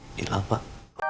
ini apa pak